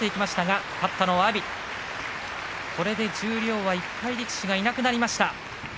これで十両は１敗力士いなくなりました。